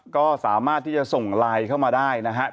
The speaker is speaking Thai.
ก็สามารถที่จะส่งไลน์เข้ามาได้นะครับ